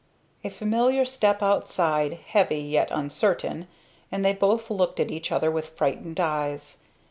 A familiar step outside, heavy, yet uncertain, and they both looked at each other with frightened eyes.